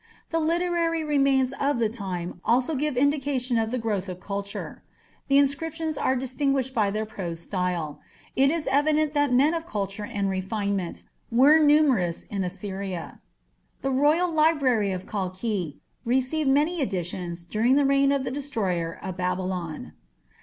The literary remains of the time also give indication of the growth of culture: the inscriptions are distinguished by their prose style. It is evident that men of culture and refinement were numerous in Assyria. The royal library of Kalkhi received many additions during the reign of the destroyer of Babylon.